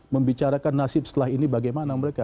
membicarakan nasib setelah ini bagaimana mereka